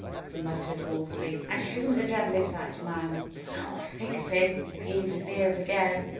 he muttered hoarsely. "And who the devil is that man? But I'll fix him if he in terferes again."